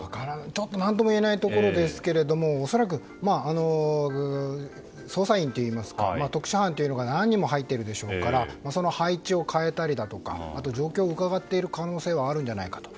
何とも言えないところですが恐らく、捜査員といいますか特殊班というのが何人も入っているでしょうからその配置を変えたりだとかあとは状況をうかがっている可能性はあるんじゃないかと。